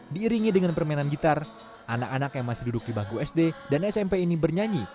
diiringi dengan permainan gitar anak anak yang masih duduk di bangku sd dan smp ini bernyanyi